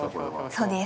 そうです。